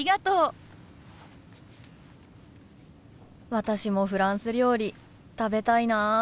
私もフランス料理食べたいな。